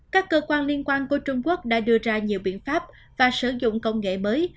các cơ quan liên quan của trung quốc đã đưa ra nhiều biện pháp và sử dụng công nghệ mới